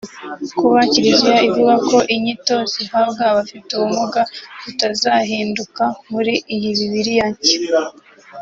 Kuba Kiriziya ivuga ko inyito zihabwa abafite ubumuga zitazahinduka muri iyi Bibiliya nshya